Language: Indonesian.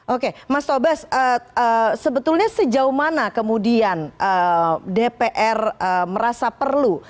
oke mas tobas sebetulnya sejauh mana kemudian dpr merasa perlu